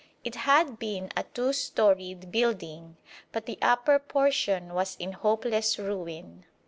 It had been a two storeyed building, but the upper portion was in hopeless ruin.